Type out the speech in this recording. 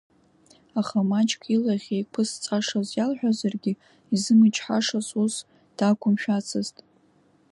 Аха маҷк илахь еиқәызҵашаз иалҳәазаргьы, изымчҳашаз ус дақәымшәацызт.